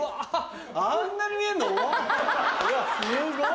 あんなに見えんの⁉すごい！